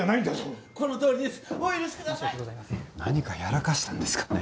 何かやらかしたんですかね